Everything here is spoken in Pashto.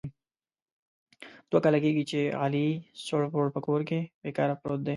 دوه کال کېږي چې علي سوړ پوړ په کور کې بې کاره پروت دی.